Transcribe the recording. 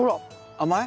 甘い？